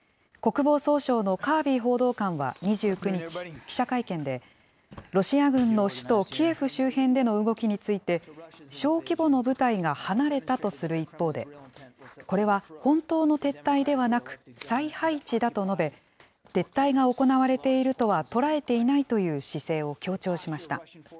国防総省のカービー報道官は２９日、記者会見で、ロシア軍の首都キエフ周辺での動きについて、小規模の部隊が離れたとする一方で、これは本当の撤退ではなく、再配置だと述べ、撤退が行われているとは捉えていないという姿勢を強調しました。